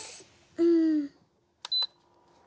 うん。